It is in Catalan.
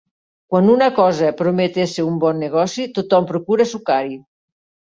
Quan una cosa promet ésser un bon negoci, tothom procura sucar-hi.